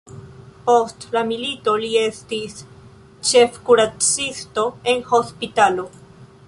Post la milito li estis ĉefkuracisto en hospitalo.